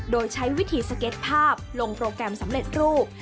โดยใช้วิธีสเก็ตภาพลงโปรแกรมสำเร็จรูป